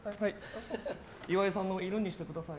岩井さんの犬にしてください。